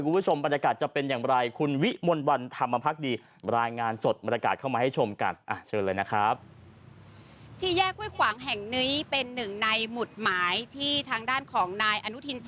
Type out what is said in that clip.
คุณผู้ชมบรรยากาศจะเป็นอย่างไร